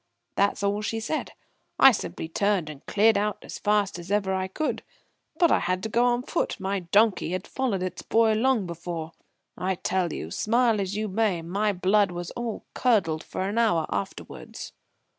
That's all she said. I simply turned and cleared out as fast as ever I could. But I had to go on foot. My donkey had followed its boy long before. I tell you smile as you may my blood was all curdled for an hour afterwards."